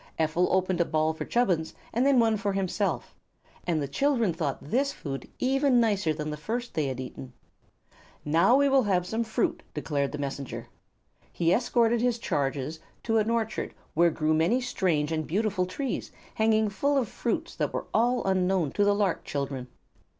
Ephel opened a ball for Chubbins and then one for himself, and the children thought this food even nicer than the first they had eaten. "Now we will have some fruit," declared the Messenger. He escorted his charges to an orchard where grew many strange and beautiful trees hanging full of fruits that were all unknown to the lark children.